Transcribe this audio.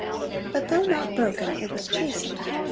But, though not broken, it was chastened.